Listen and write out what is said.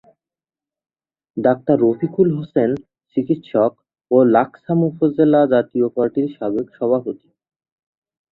Doctor Rafiqul Hossain চিকিৎসক ও লাকসাম উপজেলা জাতীয় পার্টির সাবেক সভাপতি।